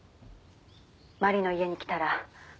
「真理の家に来たら」